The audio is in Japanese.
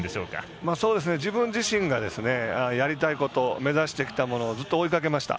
自分自身がやりたいこと目指してきたものをずっと追いかけていきました。